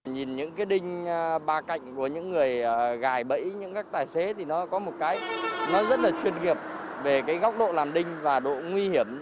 nhìn những cái đinh ba cạnh của những người gài bẫy những các tài xế thì nó có một cái nó rất là chuyên nghiệp về cái góc độ làn đinh và độ nguy hiểm